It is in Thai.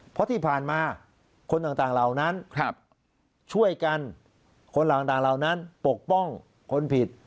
เพราะที่ผ่านมาคนต่างเรานั้นช่วยกันผล่าปลงคนผิด